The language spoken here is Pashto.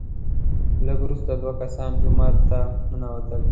لږ وروسته دوه کسان جومات ته ننوتل،